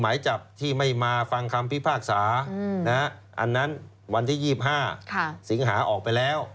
หมายจับที่ไม่มาฟังคำพิพากษาอันนั้นวันที่๒๕สิงหาออกไปแล้ว